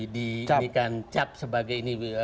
diambil cap sebagai